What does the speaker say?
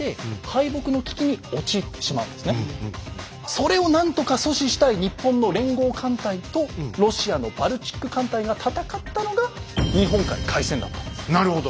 それをなんとか阻止したい日本の連合艦隊とロシアのバルチック艦隊が戦ったのがなるほど。